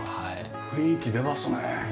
雰囲気出ますね。